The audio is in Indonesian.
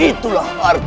itulah arti sahabat